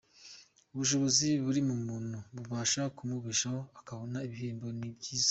Ubushobozi buri mu muntu bubasha kumubeshaho akabona ibihembo, ni byiza.